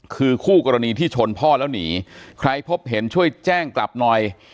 คือคู่กรณีที่ชนพ่อแล้วหนีใครพบเห็นช่วยแจ้งกลับหน่อย